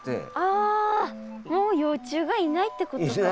あもう幼虫がいないってことか。